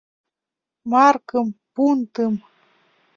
Маркым, пунтым.